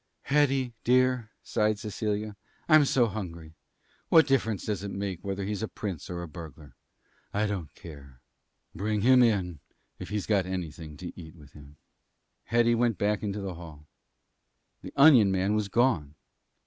"Hetty, dear," sighed Cecilia, "I'm so hungry. What difference does it make whether he's a prince or a burglar? I don't care. Bring him in if he's got anything to eat with him." Hetty went back into the hall. The onion man was gone.